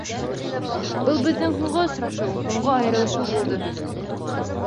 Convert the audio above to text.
Был беҙҙең һуңғы осрашыу, һуңғы айырылышыу булды.